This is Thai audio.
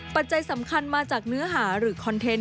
ปัจจัยสำคัญมาจากเนื้อหาหรือคอนเทนต์